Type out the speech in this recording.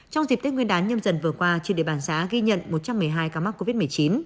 trong dịp tết nguyên đán nhâm dần vừa qua trên địa bàn xã ghi nhận một trăm một mươi hai ca mắc covid một mươi chín